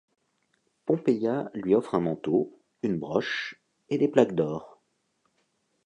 Pompeia lui offre un manteau, une broche et des plaques d'or.